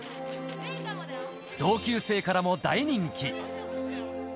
同級生からも大人気。